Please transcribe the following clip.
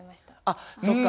あっそっか。